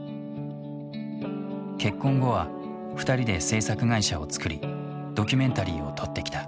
結婚後は２人で制作会社を作りドキュメンタリーを撮ってきた。